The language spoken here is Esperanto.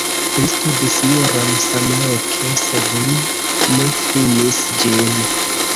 Li studis juron samloke, sed li ne finis ĝin.